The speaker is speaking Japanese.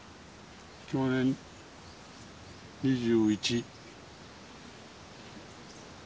享年２１。